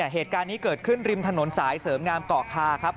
เหตุการณ์นี้เกิดขึ้นริมถนนสายเสริมงามเกาะคาครับ